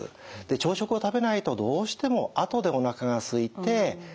朝食を食べないとどうしてもあとでおなかがすいて食べる。